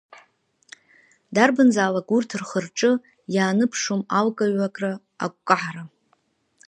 Дарбанзаалак урҭ рхырҿы ианыԥшуам алакҩакра, агәкаҳара.